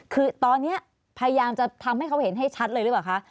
คือตอนนี้พยายามจะทำให้เขาเห็นให้ชัดเลยหรือเปล่าคะ